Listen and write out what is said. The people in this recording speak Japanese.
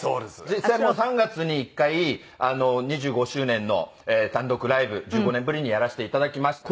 実際もう３月に１回２５周年の単独ライブ１５年ぶりにやらせて頂きました。